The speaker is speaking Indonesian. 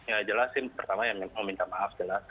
ya jelas sih pertama yang mau minta maaf jelas